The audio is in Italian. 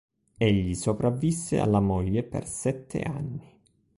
Egli sopravvisse alla moglie per sette anni.